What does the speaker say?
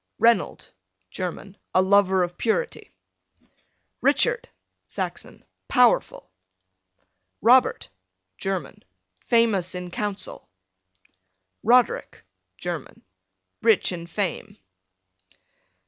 Reynold, German, a lover of purity. Richard, Saxon, powerful. Robert, German, famous in counsel. Roderick, German, rich in fame.